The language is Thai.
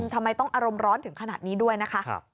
ทำไมต้องอารมณ์ร้อนถึงขนาดนี้ด้วยนะคะ